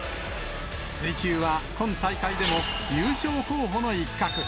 水球は、今大会でも優勝候補の一角。